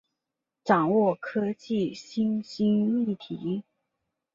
掌握科技新兴议题